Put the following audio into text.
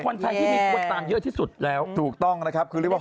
คนไทยที่มีคนตามเยอะที่สุดแล้วถูกต้องนะครับคือเรียกว่า